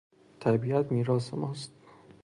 طبیعت میراث ماست.